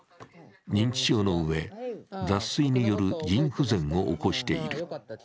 認知症のうえ、脱水による腎不全を起こしている。